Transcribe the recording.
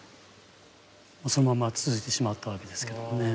そのまま続いてしまったわけですけどね。